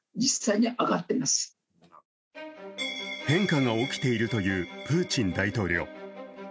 変化が起きているというプーチン大統領。